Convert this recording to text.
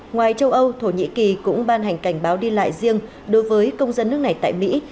ngoài châu âu thổ nhĩ kỳ cũng ban hành cảnh báo đi lại riêng đối với công dân nước này tại mỹ